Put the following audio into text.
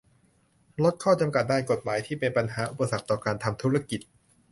ลดข้อจำกัดด้านกฎหมายที่เป็นปัญหาอุปสรรคต่อการทำธุรกิจ